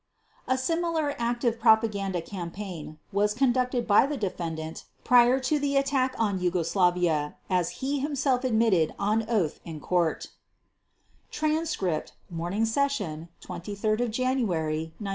A similar active propaganda campaign was conducted by the defendant prior to the attack on Yugoslavia as he himself admitted on oath in Court (Transcript, Morning Session, 23 January 1946).